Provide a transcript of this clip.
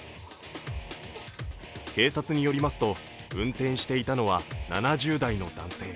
警察によりますと運転していたのは７０代の男性。